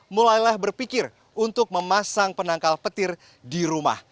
mulailah berpikir untuk memasang penangkal petir di rumah